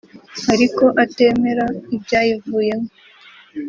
ariko atemera ibyayivuyemo